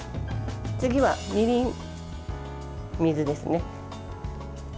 次はみりん、水ですね。